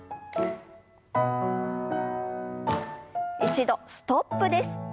一度ストップです。